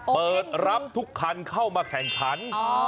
เปิดรับทุกคันเข้ามาแข่งขัน